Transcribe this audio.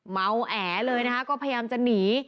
เมาแอเลยนะคะก็พยายามจะหนี